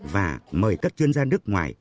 và mời các chuyên gia nước ngoài